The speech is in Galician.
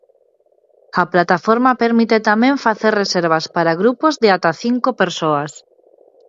A plataforma permite tamén facer reservas para grupos de ata cinco persoas.